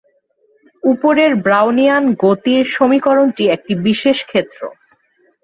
উপরের ব্রাউনিয়ান গতির সমীকরণটি একটি বিশেষ ক্ষেত্র।